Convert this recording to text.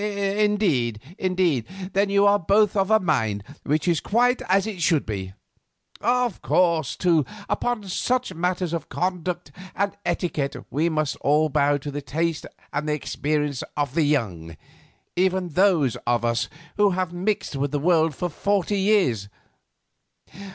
"Indeed, indeed; then you are both of a mind, which is quite as it should be. Of course, too, upon such matters of conduct and etiquette we must all bow to the taste and the experience of the young—even those of us who have mixed with the world for forty years.